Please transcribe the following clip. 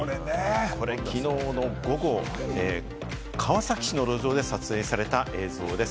これ昨日の午後、川崎市の路上で撮影された映像です。